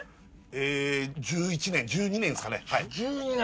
えー１１年１２年ですかね１２年？